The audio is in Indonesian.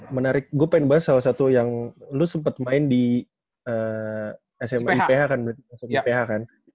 menarik gue pengen bahas salah satu yang lo sempet main di smp iph kan